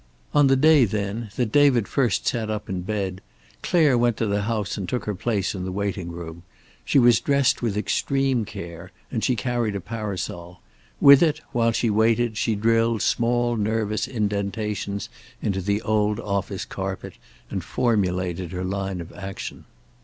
On the day, then, that David first sat up in bed Clare went to the house and took her place in the waiting room. She was dressed with extreme care, and she carried a parasol. With it, while she waited, she drilled small nervous indentations in the old office carpet, and formulated her line of action.